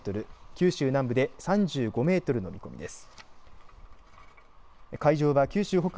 九州南部で３５メートルの見込みです。